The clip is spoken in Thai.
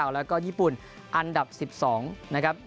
และก็ญี่ปุ่นอันดับ๑๒ในการฟาชแข่งครั้งนี้